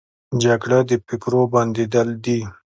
جګړه د فکرو بندېدل دي